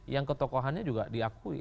yang ketokohannya juga diakui